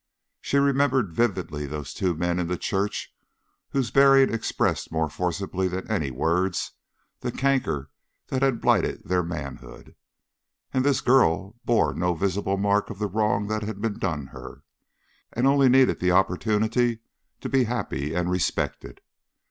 She remembered vividly those two men in the church whose bearing expressed more forcibly than any words the canker that had blighted their manhood. And this girl bore no visible mark of the wrong that had been done her, and only needed the opportunity to be happy and respected.